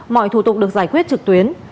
mọi thủ tục được giải quyết trực tuyến